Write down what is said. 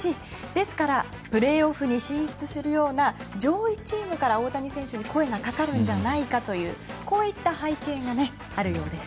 ですからプレーオフに進出するような上位チームから大谷選手に声がかかるんじゃないかというこういった背景があるようです。